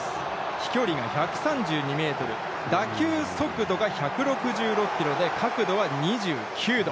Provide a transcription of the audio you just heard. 飛距離が１３２メートル、打球速度が１６６キロで角度は２９度。